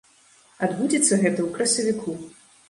Адбудзецца гэта ў красавіку.